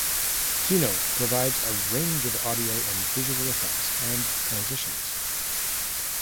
Kino provides a range of audio and video effects and transitions.